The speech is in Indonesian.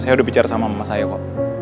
saya udah bicara sama mama saya kok